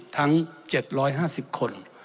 ทั้ง๗๕๐คน